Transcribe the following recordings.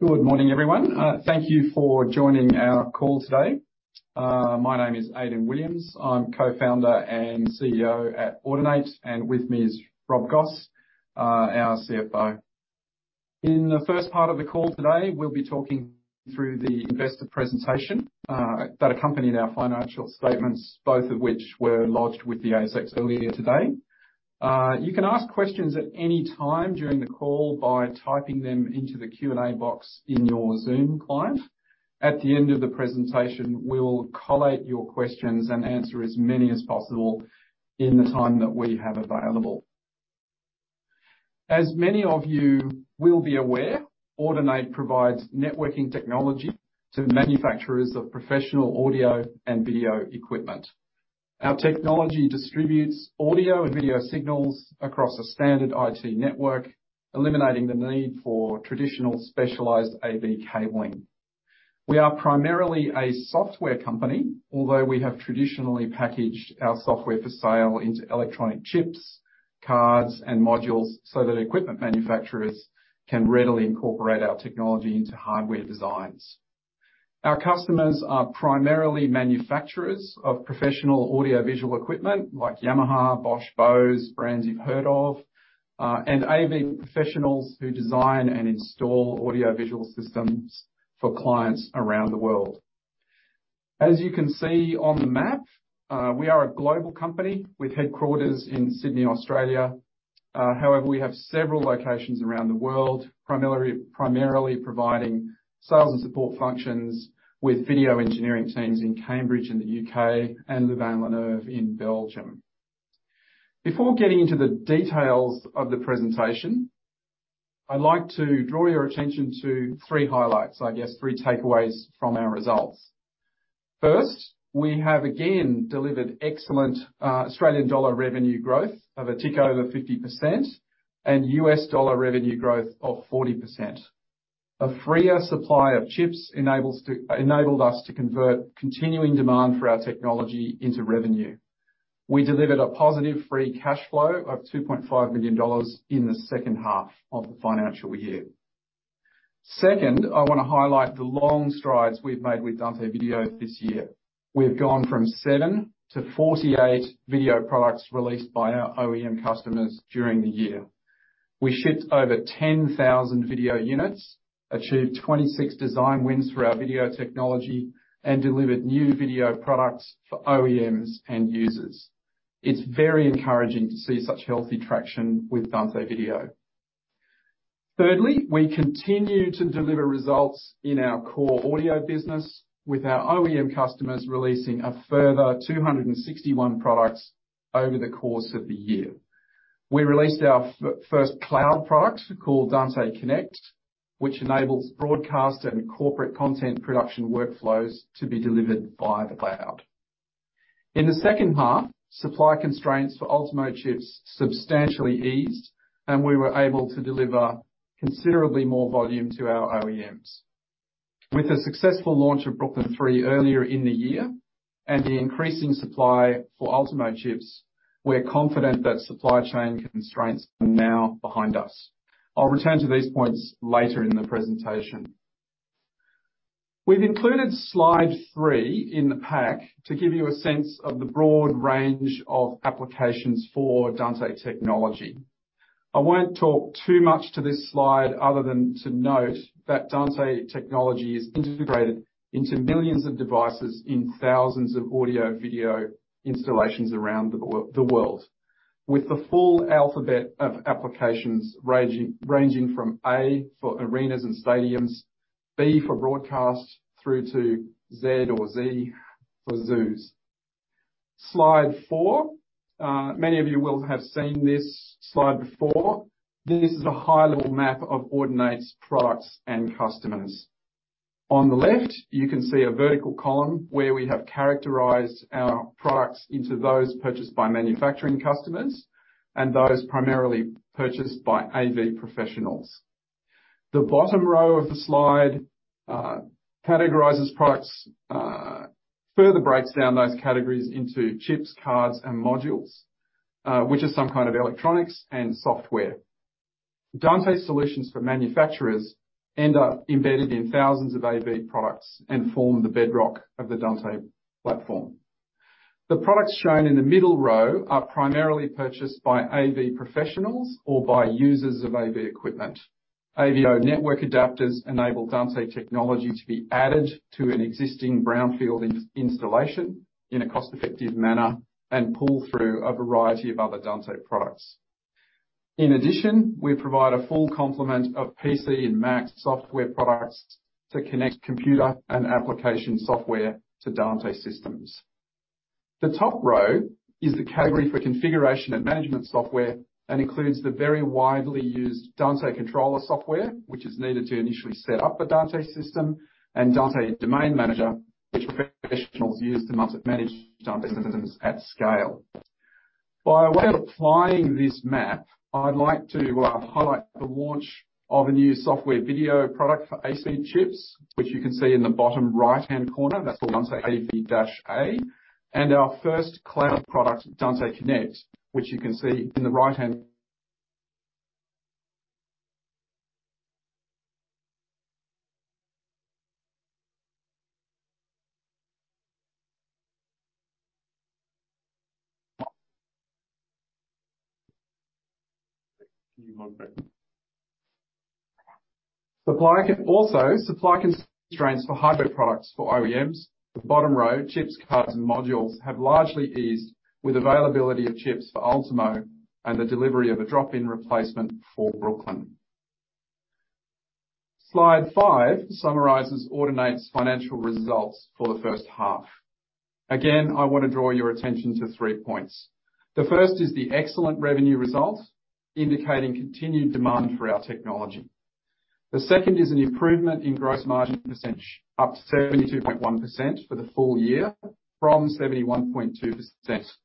Good morning, everyone. Thank you for joining our call today. My name is Aidan Williams. I'm co-founder and CEO at Audinate, and with me is Rob Goss, our CFO. In the first part of the call today, we'll be talking through the investor presentation that accompanied our financial statements, both of which were lodged with the ASX earlier today. You can ask questions at any time during the call by typing them into the Q&A box in your Zoom client. At the end of the presentation, we'll collate your questions and answer as many as possible in the time that we have available. As many of you will be aware, Audinate provides networking technology to manufacturers of professional audio and video equipment. Our technology distributes audio and video signals across a standard IT network, eliminating the need for traditional specialized AV cabling. We are primarily a software company, although we have traditionally packaged our software for sale into electronic chips, cards, and modules, so that equipment manufacturers can readily incorporate our technology into hardware designs. Our customers are primarily manufacturers of professional audiovisual equipment like Yamaha, Bosch, Bose, brands you've heard of, and AV professionals who design and install audiovisual systems for clients around the world. As you can see on the map, we are a global company with headquarters in Sydney, Australia. However, we have several locations around the world, primarily, primarily providing sales and support functions with video engineering teams in Cambridge, in the UK, and Louvain-la-Neuve in Belgium. Before getting into the details of the presentation, I'd like to draw your attention to three highlights, I guess, three takeaways from our results. First, we have again delivered excellent Australian dollar revenue growth of a tick over 50% and US dollar revenue growth of 40%. A freer supply of chips enables to-- enabled us to convert continuing demand for our technology into revenue. We delivered a positive free cash flow of $2.5 million in the second half of the financial year. Second, I want to highlight the long strides we've made with Dante Video this year. We've gone from seven to 48 video products released by our OEM customers during the year. We shipped over 10,000 video units, achieved 26 design wins through our video technology, and delivered new video products for OEMs and users. It's very encouraging to see such healthy traction with Dante Video. Thirdly, we continue to deliver results in our core audio business, with our OEM customers releasing a further 261 products over the course of the year. We released our first cloud product called Dante Connect, which enables broadcast and corporate content production workflows to be delivered via the cloud. In the second half, supply constraints for Ultimo chips substantially eased, and we were able to deliver considerably more volume to our OEMs. With the successful launch of Brooklyn 3 earlier in the year, and the increasing supply for Ultimo chips, we're confident that supply chain constraints are now behind us. I'll return to these points later in the presentation. We've included slide three in the pack to give you a sense of the broad range of applications for Dante Technology. I won't talk too much to this slide, other than to note that Dante technology is integrated into millions of devices in thousands of audio, video installations around the world. With the full alphabet of applications, ranging from A for arenas and stadiums, B for broadcast, through to Zed or Z for zoos. Slide 4. Many of you will have seen this slide before. This is a high-level map of Audinate's products and customers. On the left, you can see a vertical column where we have characterized our products into those purchased by manufacturing customers and those primarily purchased by AV professionals. The bottom row of the slide categorizes products, further breaks down those categories into chips, cards, and modules, which are some kind of electronics and software. Dante solutions for manufacturers end up embedded in thousands of AV products and form the bedrock of the Dante platform. The products shown in the middle row are primarily purchased by AV professionals or by users of AV equipment. AVIO network adapters enable Dante technology to be added to an existing brownfield installation in a cost-effective manner and pull through a variety of other Dante products. In addition, we provide a full complement of PC and Mac software products to connect computer and application software to Dante systems. The top row is the category for configuration and management software, and includes the very widely used Dante Controller software, which is needed to initially set up a Dante system, and Dante Domain Manager, which professionals use to manage Dante systems at scale. By way of applying this map, I'd like to highlight the launch of a new software video product for ASPEED chips, which you can see in the bottom right-hand corner. That's the Dante AV-A, and our first cloud product, Dante Connect, which you can see in the right-hand...... Also, supply constraints for hybrid products for OEMs, the bottom row, chips, cards, and modules, have largely eased with availability of chips for Ultimo and the delivery of a drop-in replacement for Brooklyn. Slide five summarizes Audinate's financial results for the first half. Again, I want to draw your attention to three points. The first is the excellent revenue results, indicating continued demand for our technology. The second is an improvement in gross margin percentage, up to 72.1% for the full year, from 71.2%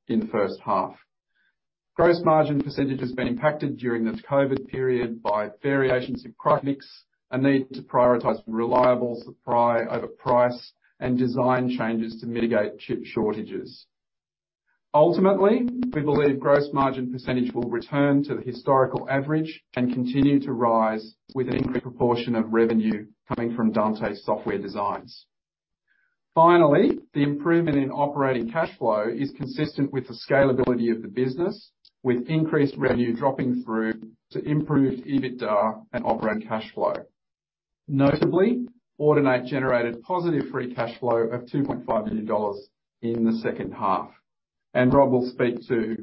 in the first half. Gross margin % has been impacted during this COVID period by variations in product mix, a need to prioritize reliable supply over price, and design changes to mitigate chip shortages. Ultimately, we believe gross margin % will return to the historical average and continue to rise with an increased proportion of revenue coming from Dante software designs. Finally, the improvement in operating cash flow is consistent with the scalability of the business, with increased revenue dropping through to improved EBITDA and operating cash flow. Notably, Audinate generated positive free cash flow of 2.5 million dollars in the second half. Rob will speak to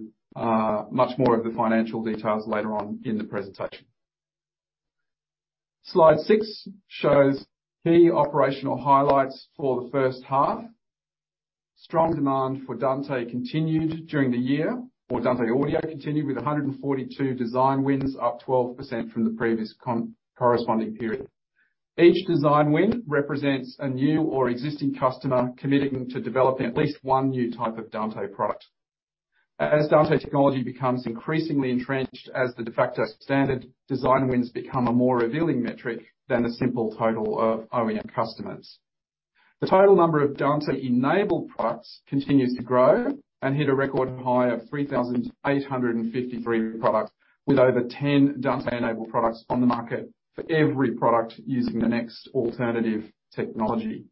much more of the financial details later on in the presentation. Slide 6 shows key operational highlights for the first half. Strong demand for Dante continued during the year, or Dante audio continued, with 142 design wins, up 12% from the previous corresponding period. Each design win represents a new or existing customer committing to developing at least one new type of Dante product. As Dante technology becomes increasingly entrenched as the de facto standard, design wins become a more revealing metric than the simple total of OEM customers. The total number of Dante-enabled products continues to grow and hit a record high of 3,853 products, with over 10 Dante-enabled products on the market for every product using the next alternative technology.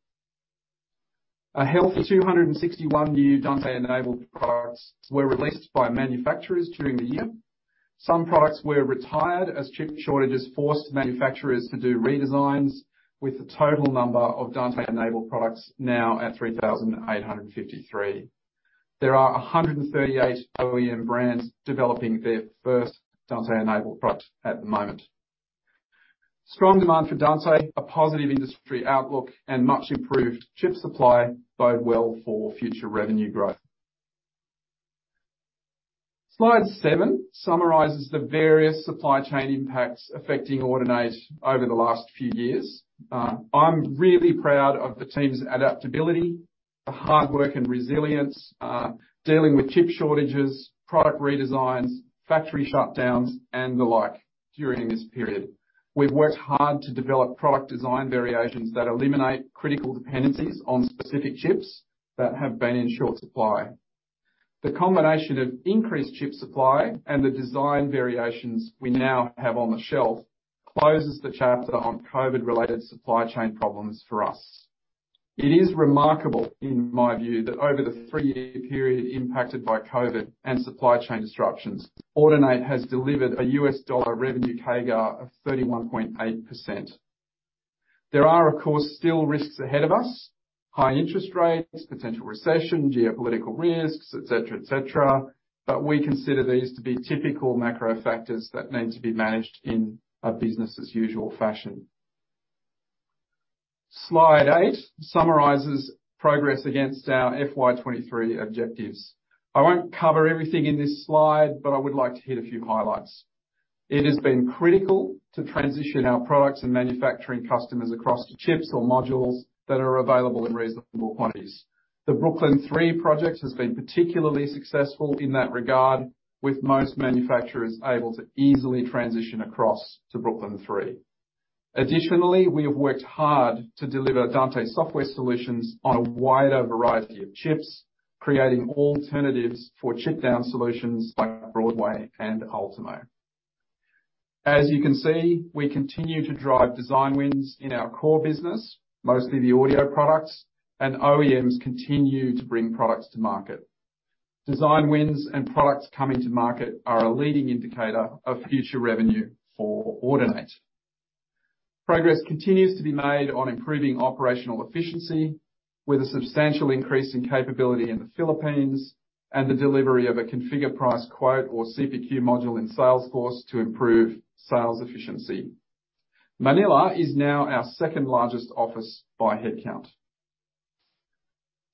A healthy 261 new Dante-enabled products were released by manufacturers during the year. Some products were retired as chip shortages forced manufacturers to do redesigns, with the total number of Dante-enabled products now at 3,853. There are 138 OEM brands developing their first Dante-enabled product at the moment. Strong demand for Dante, a positive industry outlook, and much improved chip supply bode well for future revenue growth. Slide seven summarizes the various supply chain impacts affecting Audinate over the last few years. I'm really proud of the team's adaptability, the hard work and resilience, dealing with chip shortages, product redesigns, factory shutdowns, and the like during this period. We've worked hard to develop product design variations that eliminate critical dependencies on specific chips that have been in short supply. The combination of increased chip supply and the design variations we now have on the shelf, closes the chapter on COVID-related supply chain problems for us. It is remarkable, in my view, that over the three-year period, impacted by COVID and supply chain disruptions, Audinate has delivered a US dollar revenue CAGR of 31.8%. There are, of course, still risks ahead of us, high interest rates, potential recession, geopolitical risks, et cetera, et cetera, but we consider these to be typical macro factors that need to be managed in a business as usual fashion. Slide 8 summarizes progress against our FY23 objectives. I won't cover everything in this slide, but I would like to hit a few highlights. It has been critical to transition our products and manufacturing customers across to chips or modules that are available in reasonable quantities. The Brooklyn 3 project has been particularly successful in that regard, with most manufacturers able to easily transition across to Brooklyn 3. Additionally, we have worked hard to deliver Dante software solutions on a wider variety of chips, creating alternatives for chip down solutions like Broadway and Ultimo. As you can see, we continue to drive design wins in our core business, mostly the audio products, and OEMs continue to bring products to market. Design wins and products coming to market are a leading indicator of future revenue for Audinate. Progress continues to be made on improving operational efficiency, with a substantial increase in capability in the Philippines, and the delivery of a configure price quote, or CPQ module in Salesforce to improve sales efficiency. Manila is now our second largest office by headcount.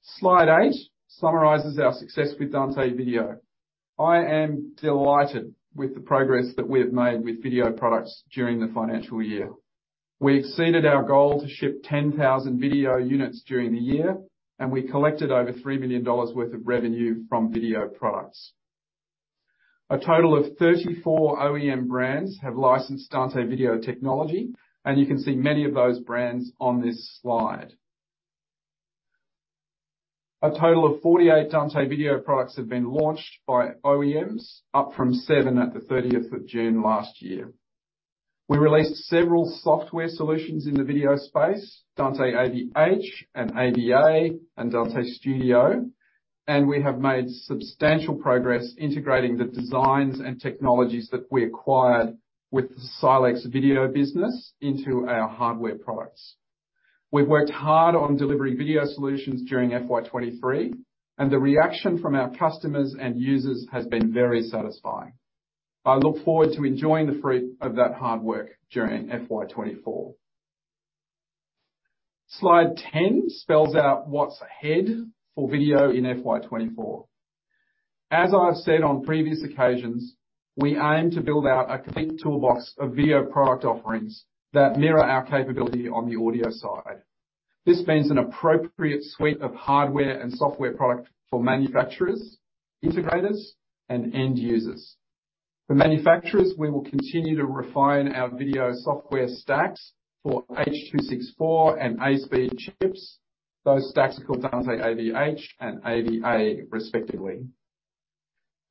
Slide eight summarizes our success with Dante Video. I am delighted with the progress that we have made with video products during the financial year. We exceeded our goal to ship 10,000 video units during the year, and we collected over $3 million worth of revenue from video products. A total of 34 OEM brands have licensed Dante video technology, and you can see many of those brands on this slide. A total of 48 Dante video products have been launched by OEMs, up from seven at the 30th of June last year. We released several software solutions in the video space, Dante AV-H and AV-A, and Dante Studio, and we have made substantial progress integrating the designs and technologies that we acquired with the Silex video business into our hardware products. We've worked hard on delivering video solutions during FY23, and the reaction from our customers and users has been very satisfying. I look forward to enjoying the fruit of that hard work during FY24. Slide 10 spells out what's ahead for video in FY24. As I've said on previous occasions, we aim to build out a complete toolbox of video product offerings that mirror our capability on the audio side. This means an appropriate suite of hardware and software product for manufacturers, integrators, and end users. For manufacturers, we will continue to refine our video software stacks for H.264 and ASPEED chips. Those stacks are called Dante AV-H and Dante AV-A, respectively.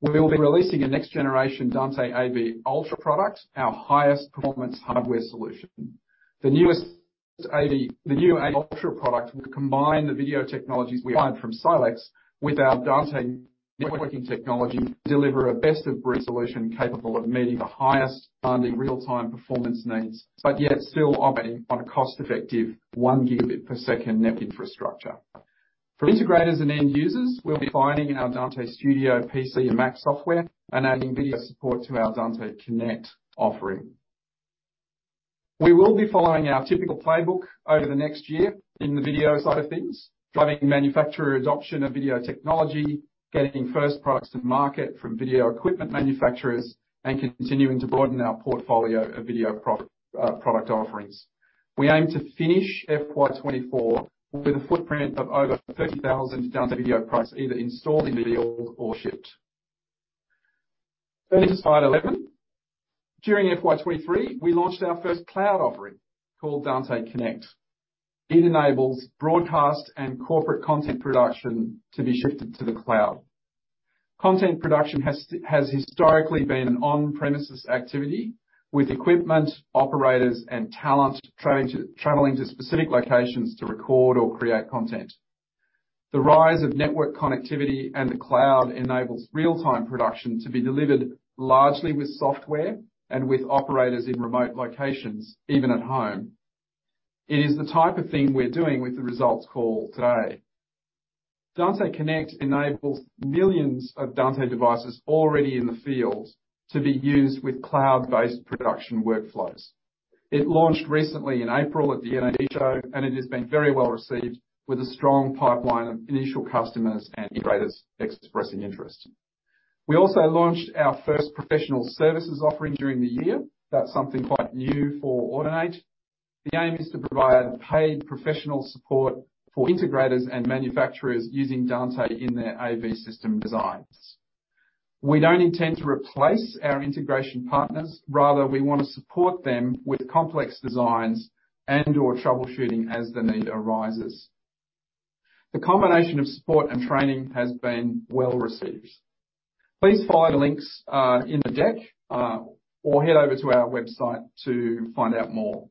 We will be releasing a next generation Dante AV Ultra product, our highest performance hardware solution. The newest AV-- The new AV Ultra product will combine the video technologies we acquired from Silex with our Dante networking technology to deliver a best-of-breed solution capable of meeting the highest bonding real-time performance needs, but yet still operating on a cost-effective 1 gigabit per second net infrastructure. For integrators and end users, we'll be refining our Dante Studio, PC and Mac software and adding video support to our Dante Connect offering. We will be following our typical playbook over the next year in the video side of things, driving manufacturer adoption of video technology, getting first products to market from video equipment manufacturers, and continuing to broaden our portfolio of video pro product offerings. We aim to finish FY24 with a footprint of over 30,000 Dante Video products either installed in the field or shipped. Turning to slide 11. During FY23, we launched our first cloud offering called Dante Connect. It enables broadcast and corporate content production to be shifted to the cloud. Content production has historically been an on-premises activity, with equipment, operators, and talent traveling to, traveling to specific locations to record or create content. The rise of network connectivity and the cloud enables real-time production to be delivered largely with software and with operators in remote locations, even at home. It is the type of thing we're doing with the results call today. Dante Connect enables millions of Dante devices already in the field to be used with cloud-based production workflows. It launched recently in April at the NAB Show, and it has been very well received with a strong pipeline of initial customers and integrators expressing interest. We also launched our first professional services offering during the year. That's something quite new for Audinate. The aim is to provide paid professional support for integrators and manufacturers using Dante in their AV system designs. We don't intend to replace our integration partners, rather, we want to support them with complex designs and/or troubleshooting as the need arises. The combination of support and training has been well received. Please follow the links in the deck or head over to our website to find out more.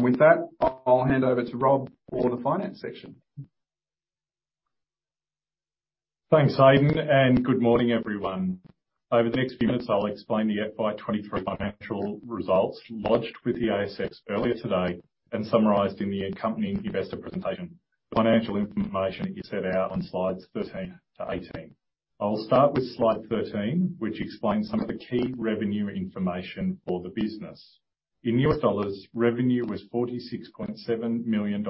With that, I'll hand over to Rob for the finance section. Thanks, Aidan, and good morning, everyone. Over the next few minutes, I'll explain the FY23 financial results lodged with the ASX earlier today and summarized in the accompanying investor presentation. Financial information is set out on slides 13 to 18. I'll start with slide 13, which explains some of the key revenue information for the business. In US dollars, revenue was $46.7 million,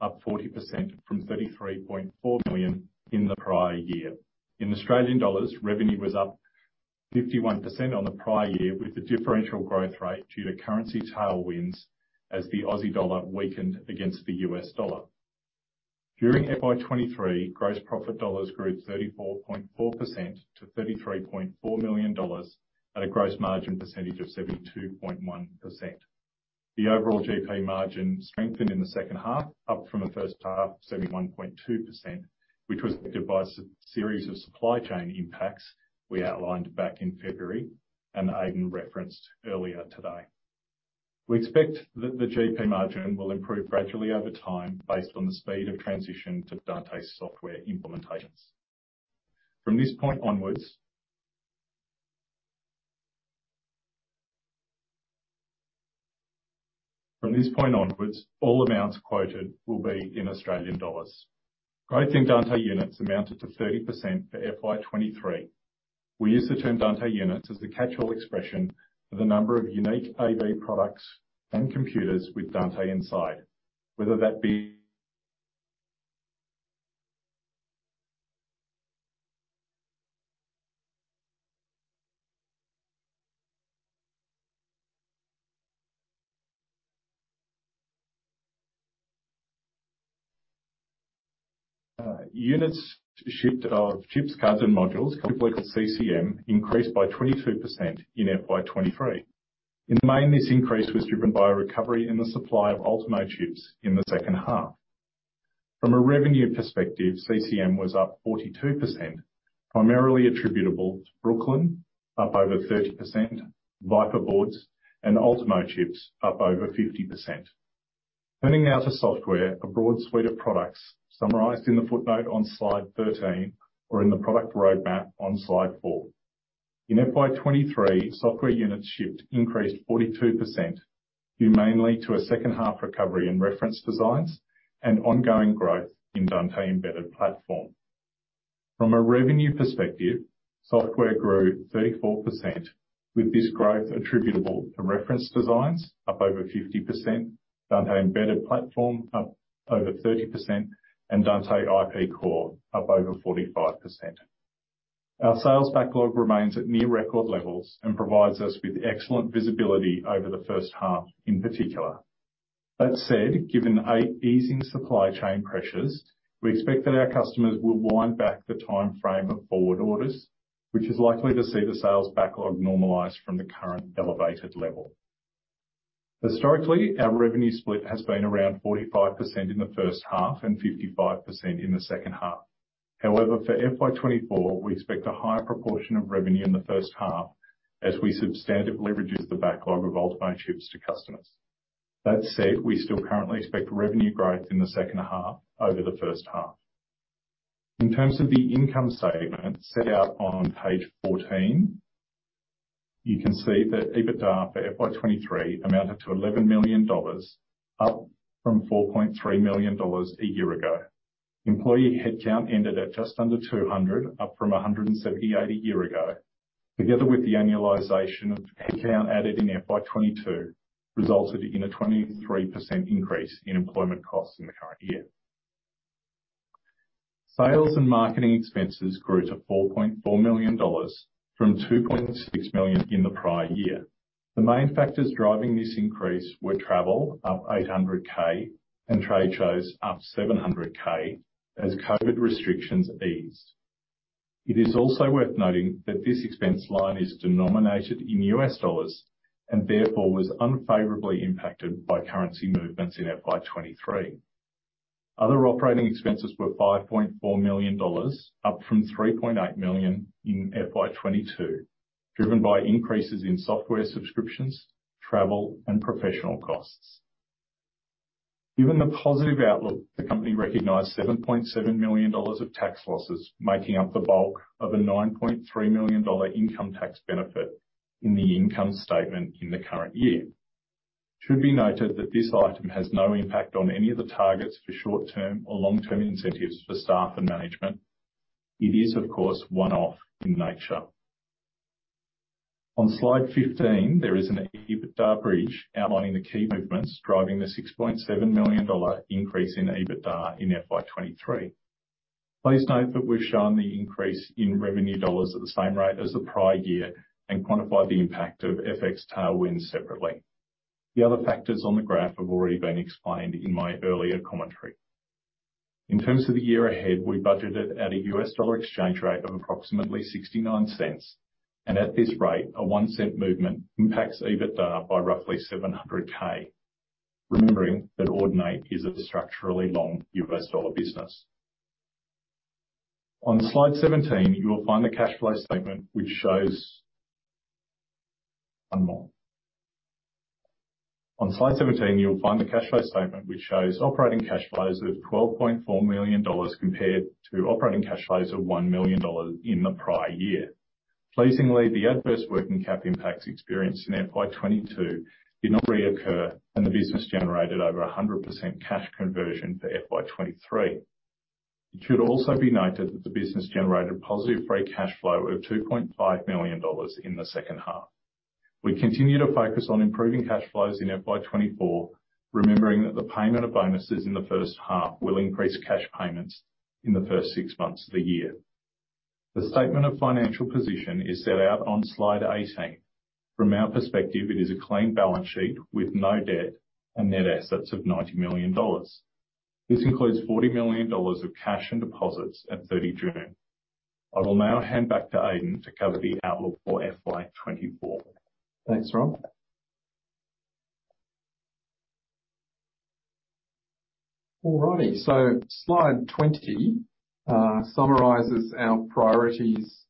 up 40% from $33.4 million in the prior year. In Australian dollars, revenue was up 51% on the prior year, with the differential growth rate due to currency tailwinds as the Aussie dollar weakened against the US dollar. During FY23, gross profit dollars grew 34.4% to $33.4 million, at a gross margin percentage of 72.1%. The overall GP margin strengthened in the second half, up from the first half, 71.2%, which was affected by a series of supply chain impacts we outlined back in February and Aidan referenced earlier today. We expect that the GP margin will improve gradually over time, based on the speed of transition to Dante software implementations. From this point onwards, all amounts quoted will be in Australian dollars. Growth in Dante units amounted to 30% for FY23. We use the term Dante units as the catch-all expression for the number of unique AV products and computers with Dante inside, whether that be units shipped are chips, cards, and modules, completed CCM increased by 22% in FY23. In May, this increase was driven by a recovery in the supply of Ultimo chips in the second half. From a revenue perspective, CCM was up 42%, primarily attributable to Brooklyn, up over 30%, Viper boards, and Ultimo chips up over 50%. Turning now to software, a broad suite of products summarized in the footnote on slide 13 or in the product roadmap on slide four. In FY23, software units shipped increased 42%, due mainly to a second half recovery in reference designs and ongoing growth in Dante Embedded Platform. From a revenue perspective, software grew 34%, with this growth attributable to reference designs up over 50%, Dante Embedded Platform up over 30%, and Dante IP Core up over 45%. Our sales backlog remains at near record levels and provides us with excellent visibility over the first half in particular. That said, given easing supply chain pressures, we expect that our customers will wind back the timeframe of forward orders, which is likely to see the sales backlog normalize from the current elevated level. Historically, our revenue split has been around 45% in the first half and 55% in the second half. However, for FY24, we expect a higher proportion of revenue in the first half as we substantively reduce the backlog of Ultimo chips to customers. That said, we still currently expect revenue growth in the second half over the first half. In terms of the income statement set out on page 14, you can see that EBITDA for FY23 amounted to $11 million, up from $4.3 million a year ago. Employee headcount ended at just under 200, up from 178 a year ago. Together with the annualization of the headcount added in FY22, resulted in a 23% increase in employment costs in the current year. Sales and marketing expenses grew to $4.4 million from $2.6 million in the prior year. The main factors driving this increase were travel, up $800K, and trade shows, up $700K, as COVID restrictions eased. It is also worth noting that this expense line is denominated in US dollars and therefore was unfavorably impacted by currency movements in FY23. Other operating expenses were $5.4 million, up from $3.8 million in FY22, driven by increases in software subscriptions, travel, and professional costs. Given the positive outlook, the company recognized $7.7 million of tax losses, making up the bulk of a $9.3 million income tax benefit in the income statement in the current year. It should be noted that this item has no impact on any of the targets for short-term or long-term incentives for staff and management. It is, of course, one-off in nature. On Slide 15, there is an EBITDA bridge outlining the key movements driving the $6.7 million increase in EBITDA in FY23. Please note that we've shown the increase in revenue dollars at the same rate as the prior year and quantified the impact of FX tailwind separately. The other factors on the graph have already been explained in my earlier commentary. In terms of the year ahead, we budgeted at a US dollar exchange rate of approximately $0.69, and at this rate, a $0.01 movement impacts EBITDA by roughly $700K. Remembering that Audinate is a structurally long US dollar business. On Slide 17, you will find the cash flow statement, which shows operating cash flows of $12.4 million compared to operating cash flows of $1 million in the prior year. Pleasingly, the adverse working cap impacts experienced in FY22 did not reoccur, and the business generated over 100% cash conversion for FY23. It should also be noted that the business generated positive free cash flow of $2.5 million in the second half. We continue to focus on improving cash flows in FY24, remembering that the payment of bonuses in the first half will increase cash payments in the first six months of the year. The statement of financial position is set out on Slide 18. From our perspective, it is a clean balance sheet with no debt and net assets of 90 million dollars. This includes 40 million dollars of cash and deposits at 30 June. I will now hand back to Aidan to cover the outlook for FY24. Thanks, Rob. All right, slide 20 summarizes our priorities,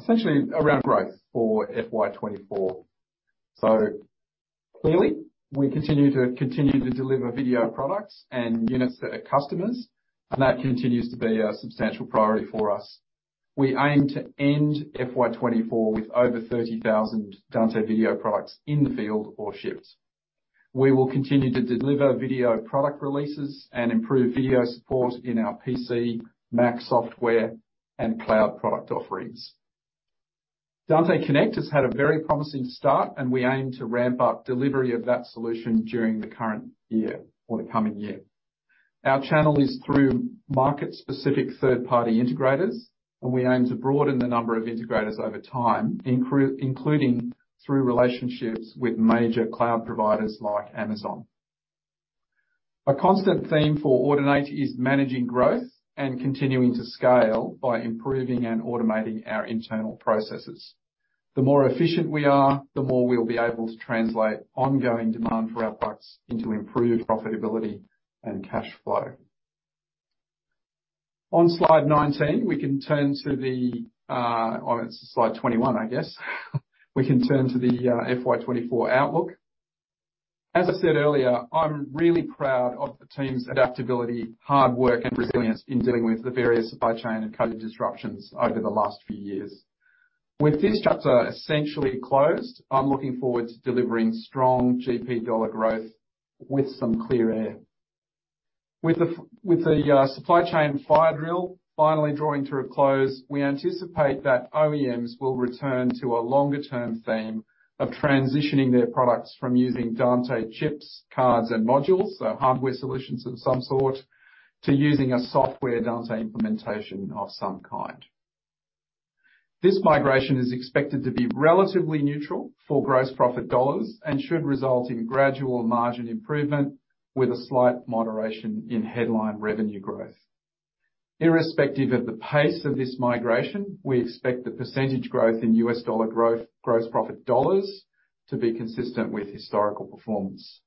essentially around growth for FY24. Clearly, we continue to continue to deliver video products and units to our customers, and that continues to be a substantial priority for us. We aim to end FY24 with over 30,000 Dante video products in the field or ships. We will continue to deliver video product releases and improve video support in our PC, Mac software, and cloud product offerings. Dante Connect has had a very promising start, and we aim to ramp up delivery of that solution during the current year or the coming year. Our channel is through market-specific third-party integrators, and we aim to broaden the number of integrators over time, including through relationships with major cloud providers like Amazon. A constant theme for Audinate is managing growth and continuing to scale by improving and automating our internal processes. The more efficient we are, the more we'll be able to translate ongoing demand for our products into improved profitability and cash flow. On slide 19, we can turn to the, oh, it's slide 21, I guess. We can turn to the FY24 outlook. As I said earlier, I'm really proud of the team's adaptability, hard work, and resilience in dealing with the various supply chain and COVID disruptions over the last few years. With this chapter essentially closed, I'm looking forward to delivering strong GP dollar growth with some clear air. With the supply chain fire drill finally drawing to a close, we anticipate that OEMs will return to a longer term theme of transitioning their products from using Dante chips, cards, and modules, so hardware solutions of some sort, to using a software Dante implementation of some kind. This migration is expected to be relatively neutral for gross profit dollars and should result in gradual margin improvement, with a slight moderation in headline revenue growth. Irrespective of the pace of this migration, we expect the % growth in US dollar growth, gross profit dollars to be consistent with historical performance.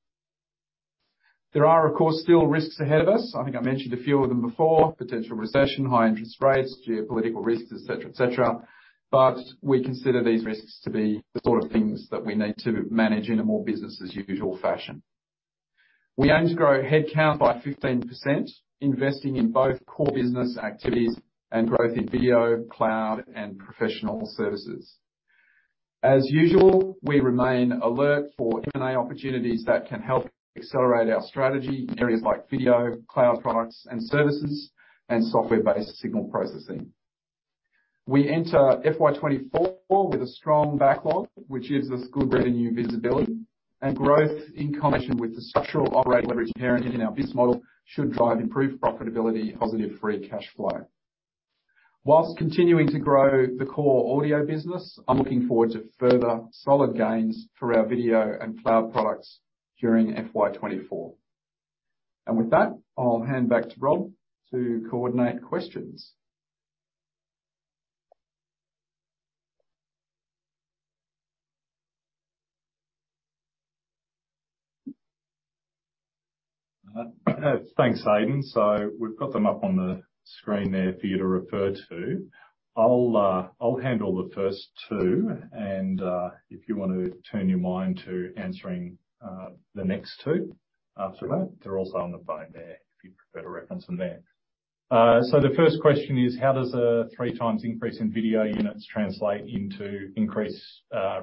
There are, of course, still risks ahead of us. I think I mentioned a few of them before: potential recession, high interest rates, geopolitical risks, et cetera, et cetera, but we consider these risks to be the sort of things that we need to manage in a more business as usual fashion. We aim to grow headcount by 15%, investing in both core business activities and growth in video, cloud, and professional services. As usual, we remain alert for M&A opportunities that can help accelerate our strategy in areas like video, cloud products and services, and software-based signal processing. We enter FY24 with a strong backlog, which gives us good revenue visibility. Growth, in combination with the structural operating leverage inherent in our business model, should drive improved profitability, positive free cash flow. Whilst continuing to grow the core audio business, I'm looking forward to further solid gains for our video and cloud products during FY24. With that, I'll hand back to Rob to coordinate questions. Thanks, Aidan. We've got them up on the screen there for you to refer to. I'll, I'll handle the first two, and if you want to turn your mind to answering the next two after that. They're also on the phone there, if you'd prefer to reference them there. The first question is: How does a 3x increase in video units translate into increased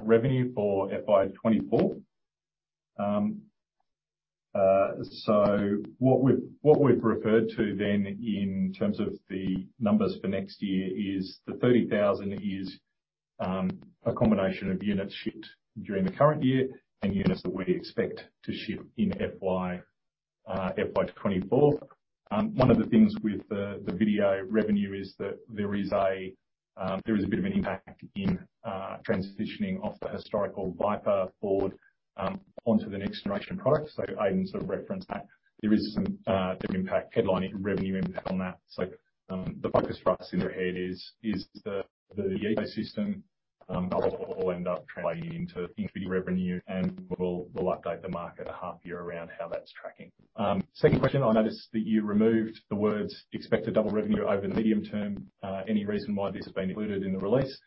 revenue for FY24? What we've, what we've referred to then, in terms of the numbers for next year, is the 30,000 is a combination of units shipped during the current year and units that we expect to ship in FY24. One of the things with the video revenue is that there is a bit of an impact in transitioning off the historical Viper board onto the next generation product. Aidan sort of referenced that. There is some different impact, headline revenue impact on that. The focus for us in their head is the ecosystem, all end up translating into revenue, and we'll update the market a half year around how that's tracking. Second question: I noticed that you removed the words "Expected double revenue over the medium term." Any reason why this has been included in the release?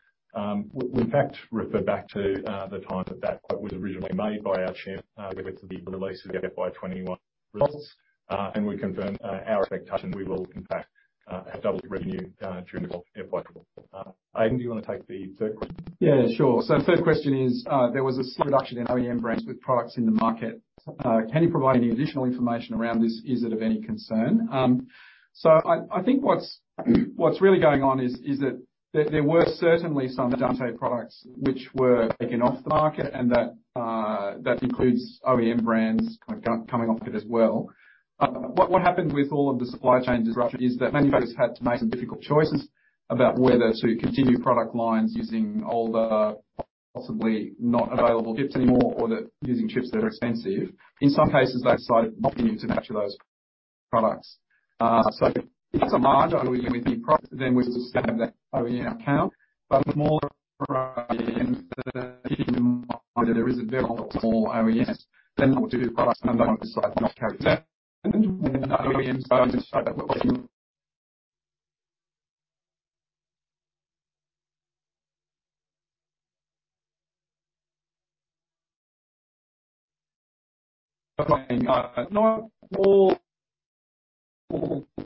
We in fact, refer back to the time that that quote was originally made by our chair, with the release of the FY21 results. We confirm, our expectation, we will in fact, have double the revenue, during the FY24. Aidan, do you want to take the third question? Yeah, sure. The third question is: There was a steep reduction in OEM brands with products in the market. Can you provide any additional information around this? Is it of any concern? I think what's really going on is that there were certainly some Dante products which were taken off the market, and that includes OEM brands kind of co-coming off it as well. What happened with all of the supply chain disruptions is that manufacturers had to make some difficult choices about whether to continue product lines using older, possibly not available chips anymore, or using chips that are expensive. In some cases, they decided not to manufacture those products. If it's a margin on the product, then we still have that OEM account, but the more... there is a development for OEMs, then we'll do the product, and they won't decide to not carry that. It...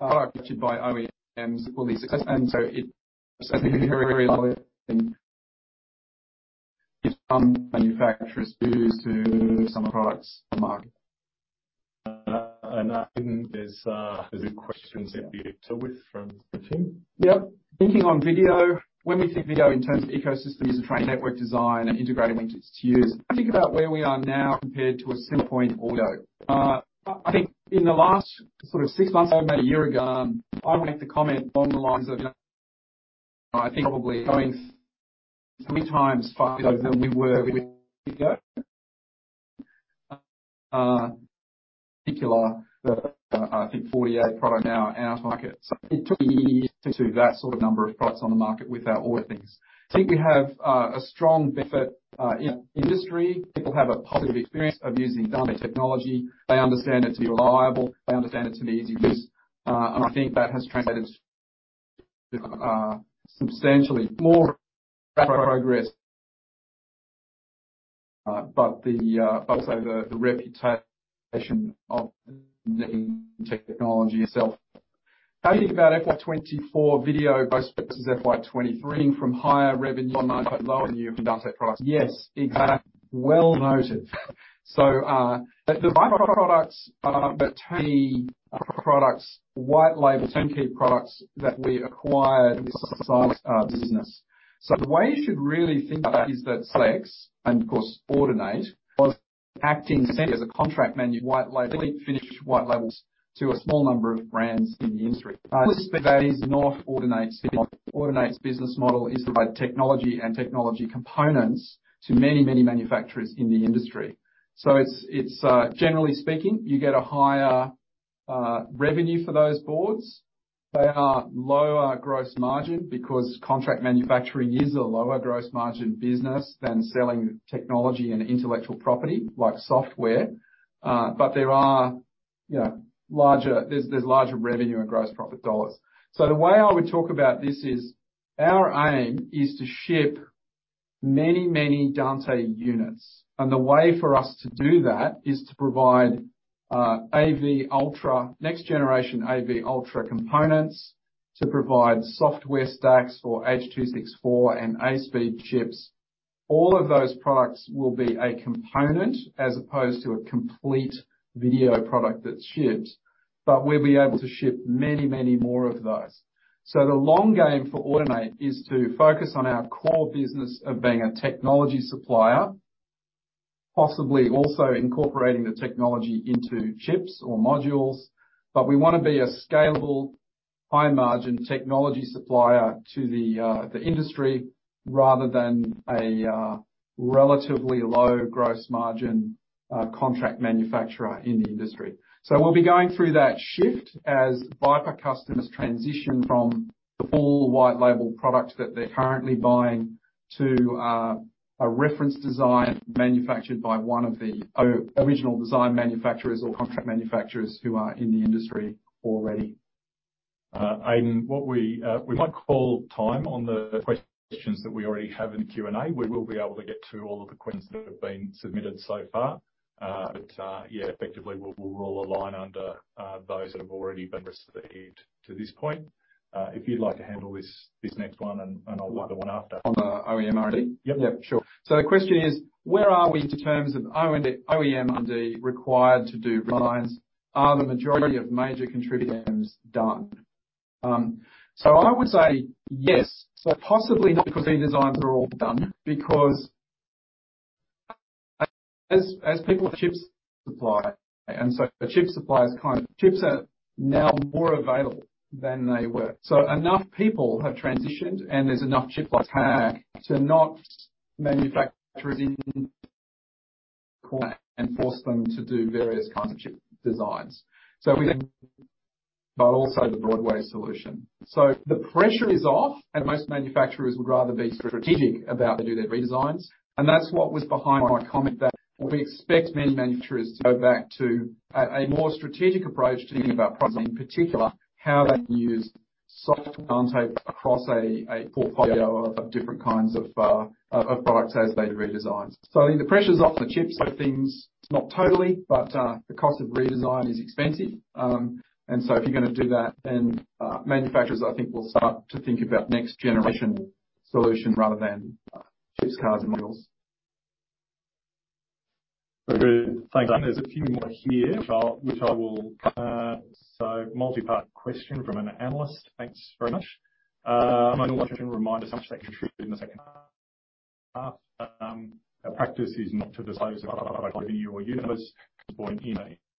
I think some manufacturers took some products market. There's, there's questions that we have with from the team. Yep. Thinking on video, when we think video in terms of ecosystems and trying network design and integrating with its use, think about where we are now compared to a standpoint audio. I think in the last sort of six months or about one year ago, I would make the comment along the lines of, I think probably going 3x faster than we were one year ago. particular, the, I think 48 product now in our market. It took me to that sort of number of products on the market with our audio things. I think we have a strong benefit in industry. People have a positive experience of using Dante technology. They understand it to be reliable, they understand it to be easy to use, and I think that has translated substantially more progress, but the, but also the, the reputation of the technology itself. How you think about FY24 video versus FY23 from higher revenue, margin, lower than your Dante price? Yes, exactly. Well noted. The Viper products are the tiny products, white label, turnkey products that we acquired this business. The way you should really think about it is that Silex, and of course, Audinate, was acting simply as a contract manufacturer, white label, finished white labels to a small number of brands in the industry. That is not Audinate. Audinate's business model is to provide technology and technology components to many, many manufacturers in the industry. It's, it's generally speaking, you get a higher revenue for those boards. They are lower gross margin because contract manufacturing is a lower gross margin business than selling technology and intellectual property, like software. But there are, you know, larger-- there's, there's larger revenue and gross profit dollars. The way I would talk about this is, our aim is to ship many, many Dante units, and the way for us to do that is to provide AV Ultra-- next generation AV Ultra components, to provide software stacks for H264 and ASPEED chips. All of those products will be a component as opposed to a complete video product that's shipped, but we'll be able to ship many, many more of those. The long game for Audinate is to focus on our core business of being a technology supplier, possibly also incorporating the technology into chips or modules. We want to be a scalable, high margin technology supplier to the industry, rather than a relatively low gross margin contract manufacturer in the industry. We'll be going through that shift as Viper customers transition from the full white label product that they're currently buying to a reference design manufactured by one of the original design manufacturers or contract manufacturers who are in the industry already. Aidan, what we, we might call time on the questions that we already have in the Q&A. We will be able to get to all of the questions that have been submitted so far. Yeah, effectively, we'll, we'll draw a line under those that have already been received to this point. If you'd like to handle this, this next one, and, and I'll do the one after. On the OEM R&D? Yep. Yep, sure. The question is: Where are we in terms of OEM R&D required to do designs? Are the majority of major contributing items done? I would say yes, but possibly not because these designs are all done, because as people chips supply, and the chip suppliers kind of Chips are now more available than they were. Enough people have transitioned, and there's enough chip supply to not manufacturers in, and force them to do various kinds of chip designs. We think, but also the Broadway solution. The pressure is off, and most manufacturers would rather be strategic about how they do their redesigns. That's what was behind my comment, that we expect many manufacturers to go back to a more strategic approach to thinking about pricing, in particular, how they can use soft Dante across a portfolio of different kinds of products as they redesign. I think the pressure's off the chips sort of things. It's not totally, but the cost of redesign is expensive. If you're going to do that, then manufacturers, I think, will start to think about next generation solution rather than chips, cards, and modules. Thanks. There's a few more here, which I'll, which I will. Multi-part question from an analyst. Thanks very much. I wonder if you can remind us how much they contributed in the second half. Our practice is not to disclose whether you or universe employ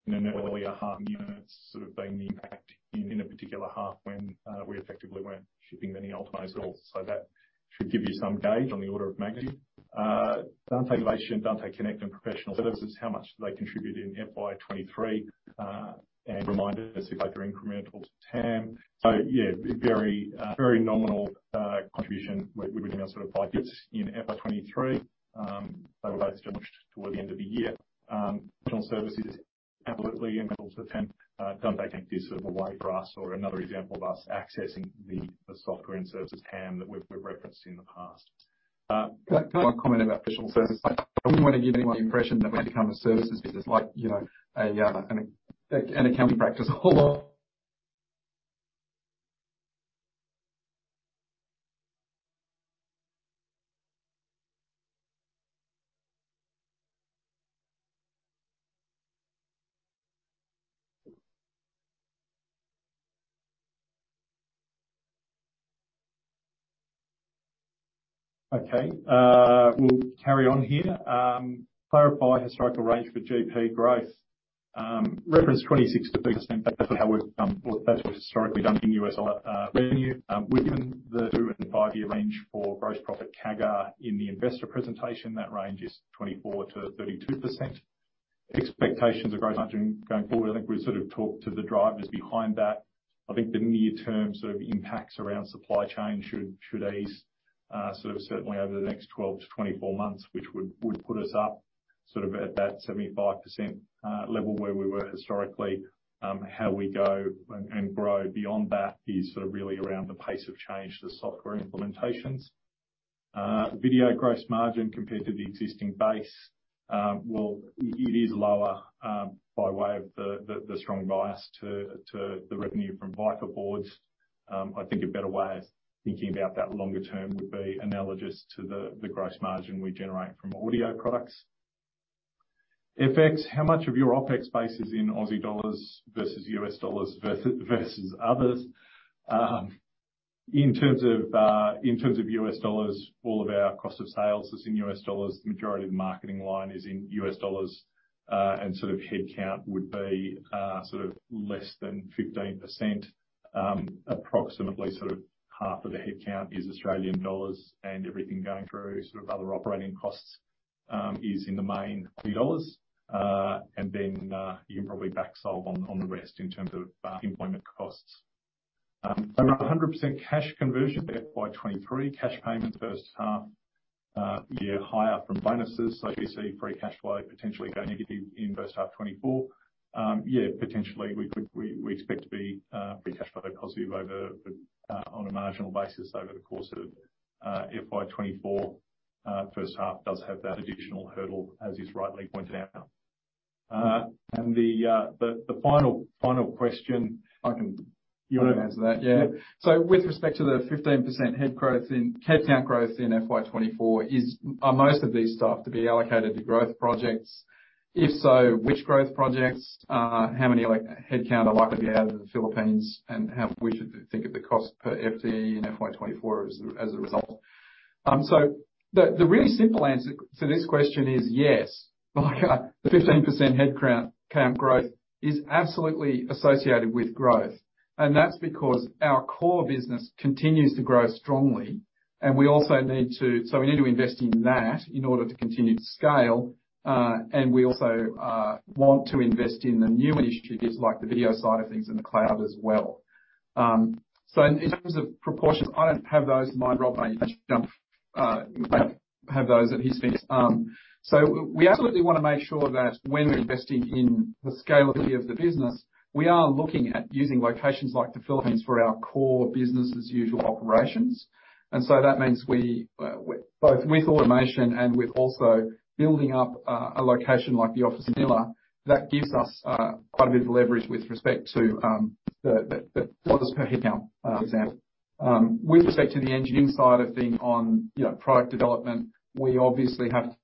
in an earlier half unit, sort of being the impact in a particular half when we effectively weren't shipping many Ultimos at all. That should give you some gauge on the order of magnitude. Dante Connect and Professional Services, how much do they contribute in FY23? Remind us if they're incremental to TAM. Yeah, very, very nominal contribution. We, we would sort of like it in FY23. They were both launched toward the end of the year. Professional services absolutely incremental to TAM. Dante Connect is sort of a way for us, or another example of us accessing the, the software and services TAM that we've, we've referenced in the past. Can I comment about professional services? I wouldn't want to give anyone the impression that we've become a services business like, you know, an accounting practice. Okay, we'll carry on here. Clarify historical range for GP growth. Reference 26%-30%, that's how we've done, or that's what historically done in U.S. revenue. We've given the two and five-year range for gross profit CAGR in the investor presentation, that range is 24%-32%. Expectations of gross margin going forward, I think we've sort of talked to the drivers behind that. I think the near-term sort of impacts around supply chain should, should ease, sort of certainly over the next 12 to 24 months, which would, would put us up sort of at that 75% level where we were historically. How we go and, and grow beyond that is sort of really around the pace of change to the software implementations. Video gross margin compared to the existing base, well, it, it is lower, by way of the, the, the strong bias to, to the revenue from Dante AVIO. I think a better way of thinking about that longer term would be analogous to the, the gross margin we generate from audio products. FX, how much of your OpEx base is in Australian dollars versus US dollars versus others? In terms of, in terms of US dollars, all of our cost of sales is in US dollars. The majority of the marketing line is in US dollars, and sort of headcount would be, sort of less than 15%. Approximately sort of half of the headcount is Australian dollars, and everything going through sort of other operating costs, is in the main, AU dollars. You can probably back solve on the rest in terms of employment costs. Over 100% cash conversion FY23, cash payment first half year higher from bonuses. So you see free cash flow potentially go negative in first half 2024. Yeah, potentially we could— we expect to be free cash flow positive over the on a marginal basis over the course of FY24. First half does have that additional hurdle, as you've rightly pointed out. And the the final, final question— I can- You want to answer that? Yeah. Yep. With respect to the 15% headcount growth in FY24, are most of these staff to be allocated to growth projects? If so, which growth projects? How many like, headcount are likely to be out of the Philippines, and how we should think of the cost per FTE in FY24 as a result? The really simple answer to this question is yes. Like, 15% headcount growth is absolutely associated with growth. That's because our core business continues to grow strongly, and we also need to invest in that in order to continue to scale. We also want to invest in the newer initiatives like the video side of things and the cloud as well. In terms of proportions, I don't have those in mind, Rob. I need to jump. I have those at his feet. We absolutely want to make sure that when we're investing in the scalability of the business, we are looking at using locations like the Philippines for our core business as usual operations. That means we both with automation and with also building up a location like the office in Manila, that gives us quite a bit of leverage with respect to the Australian dollar per headcount example. With respect to the engineering side of things on, you know, product development, we obviously have.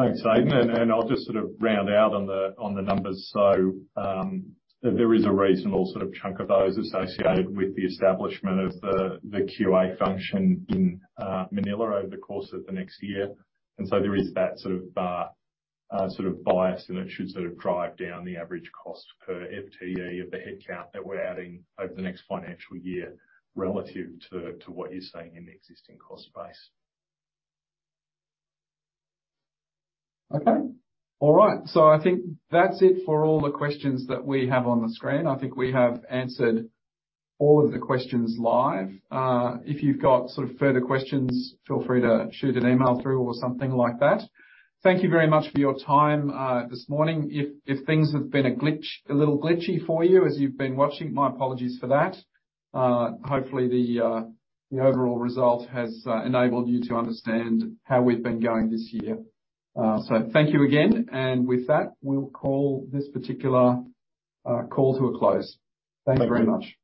Thanks, Aidan, and I'll just sort of round out on the numbers. There is a reasonable sort of chunk of those associated with the establishment of the QA function in Manila over the course of the next year. There is that sort of bias, and it should sort of drive down the average cost per FTE of the headcount that we're adding over the next financial year relative to what you're seeing in the existing cost base. Okay. All right. I think that's it for all the questions that we have on the screen. I think we have answered all of the questions live. If you've got sort of further questions, feel free to shoot an email through or something like that. Thank you very much for your time this morning. If, if things have been a glitch, a little glitchy for you as you've been watching, my apologies for that. Hopefully, the overall result has enabled you to understand how we've been going this year. Thank you again, and with that, we'll call this particular call to a close. Thank you very much.